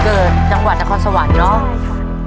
จังหวัดนครสวรรค์เนาะ